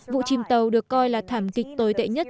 vụ chìm tàu được coi là thảm kịch tồi tệ nhất